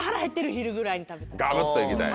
ガブっといきたい。